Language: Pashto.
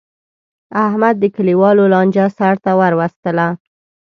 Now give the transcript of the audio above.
احمد د کلیوالو لانجه سرته ور وستله.